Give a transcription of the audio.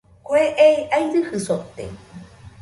Kue ei airɨjɨ sote.